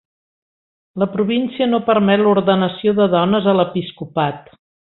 La província no permet l'ordenació de dones a l'episcopat.